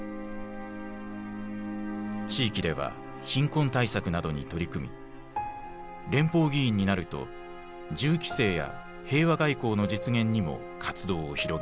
地域では貧困対策などに取り組み連邦議員になると銃規制や平和外交の実現にも活動を広げていた。